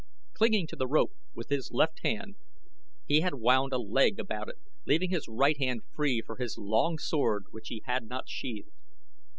Clinging to the rope with his left hand, he had wound a leg about it, leaving his right hand free for his long sword which he had not sheathed.